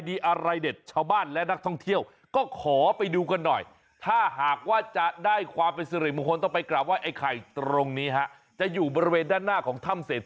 แต่เหนือตรอนล่าง